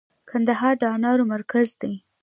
کندهار د انارو مرکز دی